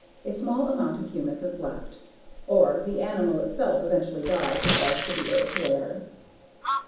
A small amount of humus is left. Or the animal itself eventually dies and falls to the earth where